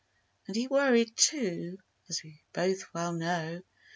And he worried, too, as we both well knew.